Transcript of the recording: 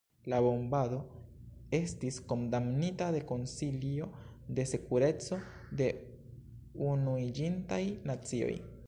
La bombado estis kondamnita de Konsilio de Sekureco de Unuiĝintaj Nacioj.